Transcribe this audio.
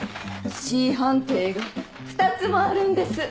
Ｃ判定が２つもあるんです！